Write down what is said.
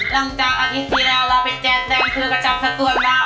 หลังจากอาทิตย์ที่แล้วเราไปแจกแดงคือกระจับสตวนได้